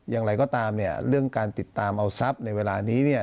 อย่างไรก็ตามเนี่ยเรื่องการติดตามเอาทรัพย์ในเวลานี้เนี่ย